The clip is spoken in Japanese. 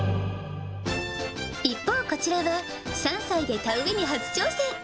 一方、こちらは３歳で田植えに初挑戦。